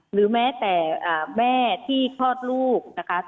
หรือแม้แต่แม่ที่คลอดลูกนะคะ